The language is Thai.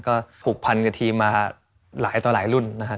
ก็ผูกพันกับทีมมาหลายต่อหลายรุ่นนะครับ